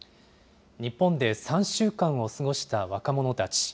日本で３週間を過ごした若者たち。